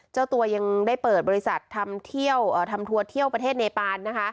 เจ้าตัวยังได้เปิดบริษัททำทัวร์เที่ยวประเทศเนปานนะคะ